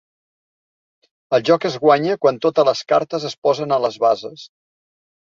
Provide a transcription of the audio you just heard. El joc es guanya quan totes les cartes es posen a les bases.